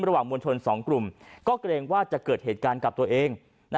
มวลชน๒กลุ่มก็เกรงว่าจะเกิดเหตุการณ์กับตัวเอง